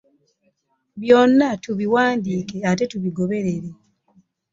Byonna tubiwandiike ate tubigoberere.